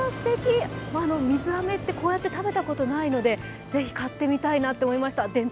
水あめってこうやって食べたことないのでぜひ買ってみたいなと思いました。